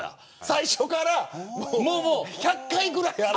最初から１００回ぐらい。